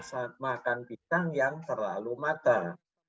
saat makan pisang yang terlalu matang